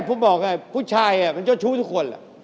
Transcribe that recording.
ผมบอกผู้ชายมันเจ้าชู้ทุกคน